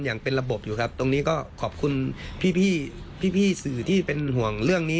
อย่างเป็นระบบอยู่ครับตรงนี้ก็ขอบคุณพี่พี่สื่อที่เป็นห่วงเรื่องนี้